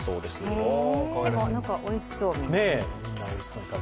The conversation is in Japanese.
でも、おいしそう。